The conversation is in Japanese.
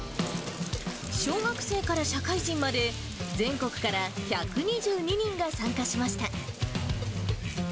小学生から社会人まで、全国から１２２人が参加しました。